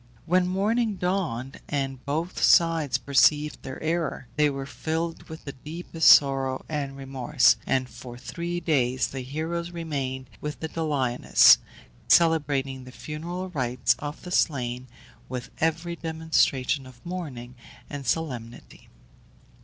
When morning dawned, and both sides perceived their error, they were filled with the deepest sorrow and remorse; and for three days the heroes remained with the Doliones, celebrating the funereal rites of the slain, with every demonstration of mourning and solemnity.